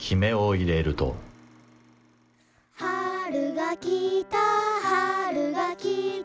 「春が来た春が来た」